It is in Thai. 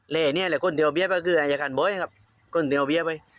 และเนี้ยแหละคนที่เอาเบี้ยไปก็คืออายการบ๊วยครับคนที่เอาเบี้ยไป